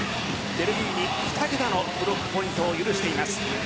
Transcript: ベルギーに２桁のブロックポイントを許しています。